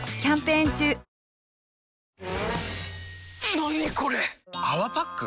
何これ⁉「泡パック」？